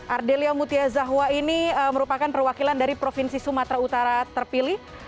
ardelia mutia zahwa ini merupakan perwakilan dari provinsi sumatera utara terpilih